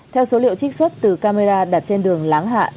theo số liệu trích xuất từ camera đặt trên đường láng hạ